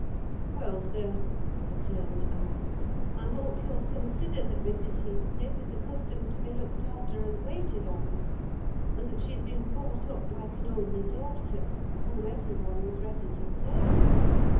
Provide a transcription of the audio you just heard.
"Well, sir," returned I, "I hope you'll consider that Mrs. Heathcliff is accustomed to be looked after and waited on; and that she has been brought up like an only daughter, whom every one was ready to serve.